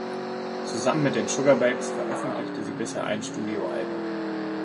Zusammen mit den Sugababes veröffentlichte sie bisher ein Studioalbum.